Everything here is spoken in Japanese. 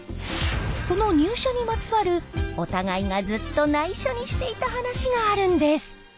その入社にまつわるお互いがずっとないしょにしていた話があるんです。